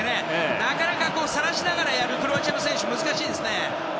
なかなかさらしながらやるクロアチアの選手難しいですね。